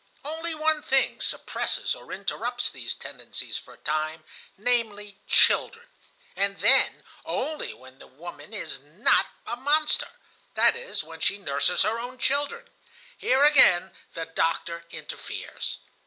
Only one thing suppresses or interrupts these tendencies for a time,—namely, children,—and then only when the woman is not a monster,—that is, when she nurses her own children. Here again the doctor interferes.